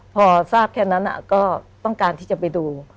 พอทราบแค่นั้นก็ต้องการที่จะไปดู